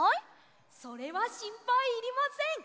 それはしんぱいいりません！